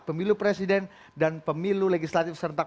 pemilu presiden dan pemilu legislatif serentak